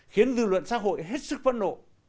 khiến dư luận xã hội hết sức phẫn nộ